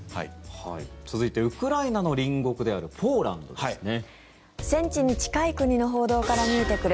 続いてウクライナの隣国であるポーランドですね。